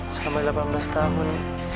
selama delapan belas tahun